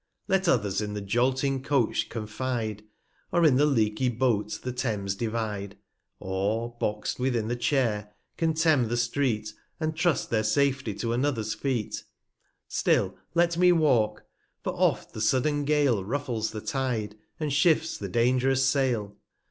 Let others in the jolting Coach confide, Or in the leaky Boat the Thames divide; 390 Or, box'd within the Chair, contemn the Street, And trust their Safety to another's Feet, Still let me walk ; for oft' the sudden Gale Ruffles the Tide, and shifts the dang'rous Sail.